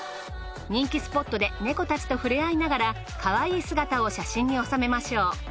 人気スポットでネコたちとふれあいながらかわいい姿を写真に収めましょう。